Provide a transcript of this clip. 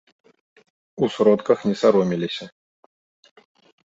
У сродках не саромеліся.